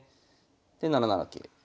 で７七桂。